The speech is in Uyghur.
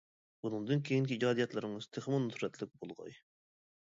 بۇنىڭدىن كېيىنكى ئىجادىيەتلىرىڭىز تېخىمۇ نۇسرەتلىك بولغاي!